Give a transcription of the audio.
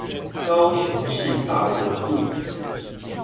高雄市大勇路